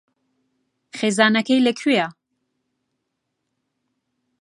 خێزانەکەی لەکوێیە؟